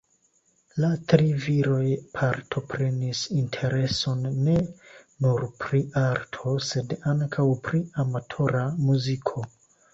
La tri viroj partoprenis intereson ne nur pri arto, sed ankaŭ pri amatora muziko.